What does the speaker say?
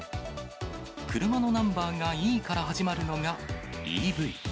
車のナンバーがＥから始まるのがＥＶ。